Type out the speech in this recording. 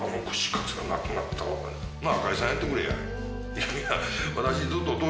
いやいや。